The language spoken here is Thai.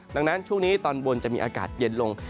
ดังนั้นช่วงนี้ตอนบนจะมีอากาศเย็นลง